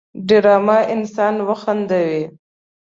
ډرامه انسان وخندوي